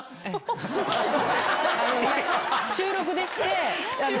収録でして。